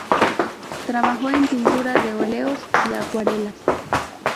Trabajó en pintura de óleos y acuarelas.